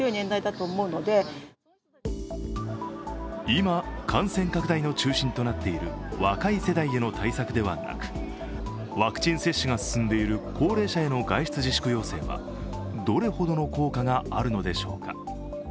今、感染拡大の中心となっている若い世代への対策ではなくワクチン接種が進んでいる高齢者への外出自粛要請はどれほどの効果があるのでしょうか。